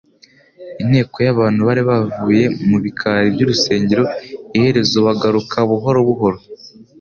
Inteko y'abantu bari bavuye mu bikari by'urusengero, iherezo bagaruka buhoro buhoro.